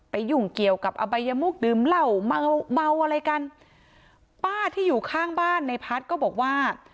ยุ่งเกี่ยวกับอบัยมุกดื่มเหล้าเมาเมาอะไรกันป้าที่อยู่ข้างบ้านในพัฒน์ก็บอกว่า